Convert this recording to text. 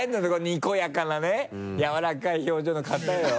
にこやかなねやわらかい表情の方よ。